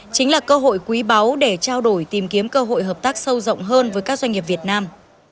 chính là cơ hội quý báu để trao đổi tìm kiếm cơ hội hợp tác sâu rộng hơn với các doanh nghiệp việt nam